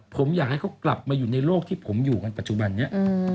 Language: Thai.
ผมอยากให้เขากลับมาอยู่ในโลกที่ผมอยู่กันปัจจุบันนี้